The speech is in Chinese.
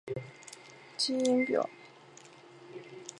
基因表达的变化亦可增强癌细胞亚群对化疗的抵抗力。